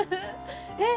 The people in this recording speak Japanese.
えっ？